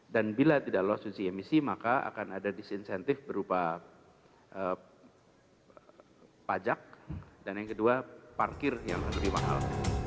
dan bila tidak lolos uji emisi maka akan ada disinsentif berupa pajak dan yang kedua parkir yang lebih mahal